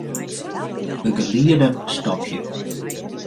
Begelieden stopje.